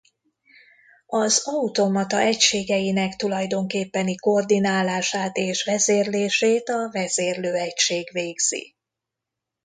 Az automata egységeinek tulajdonképpeni koordinálását és vezérlését a vezérlőegység végzi.